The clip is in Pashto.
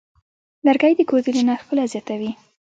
لرګی د کور دننه ښکلا زیاتوي.